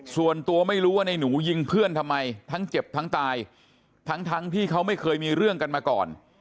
ส่วนตัวไม่รู้ว่าในหนูยิงเพื่อนทำไมทั้งเจ็บทั้งตายทั้งทั้งที่เขาไม่เคยมีเรื่องกันมาก่อน